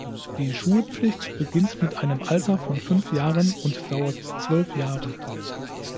Die Schulpflicht beginnt mit einem Alter von fünf Jahren und dauert zwölf Jahre.